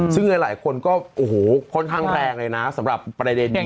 ซึ่งหลายคนก็โอ้โหค่อนข้างแรงเลยนะสำหรับประเด็นนี้